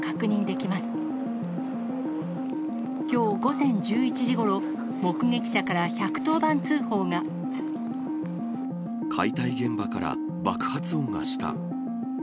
きょう午前１１時ごろ、目撃者か解体現場から爆発音がした。